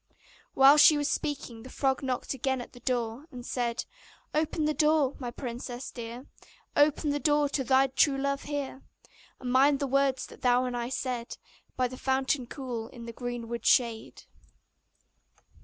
While she was speaking the frog knocked again at the door, and said: 'Open the door, my princess dear, Open the door to thy true love here! And mind the words that thou and I said By the fountain cool, in the greenwood shade.